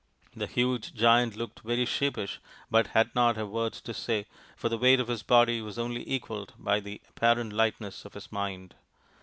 The huge Giant looked very sheepish but had not a word to say, for the weight of his body was only equalled by the apparent lightness of his mind.